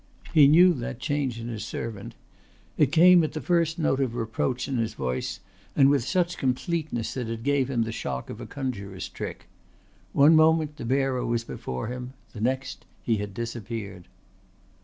He knew that change in his servant. It came at the first note of reproach in his voice and with such completeness that it gave him the shock of a conjurer's trick. One moment the bearer was before him, the next he had disappeared.